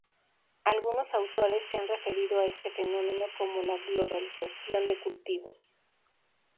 Algunos autores se han referido a este fenómeno como la "globalización de cultivos".